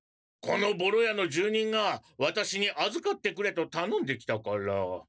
このボロ屋の住人がワタシにあずかってくれとたのんできたから。